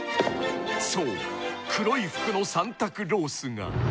そう、黒い服のサンタクロースが。